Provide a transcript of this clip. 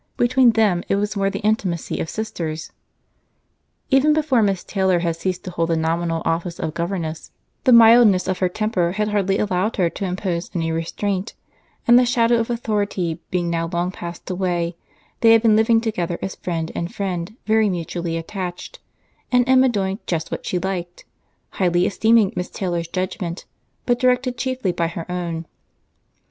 Between them it was more the intimacy of sisters. Even before Miss Taylor had ceased to hold the nominal office of governess, the mildness of her temper had hardly allowed her to impose any restraint; and the shadow of authority being now long passed away, they had been living together as friend and friend very mutually attached, and Emma doing just what she liked; highly esteeming Miss Taylor's judgment, but directed chiefly by her own.